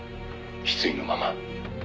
失意のまま」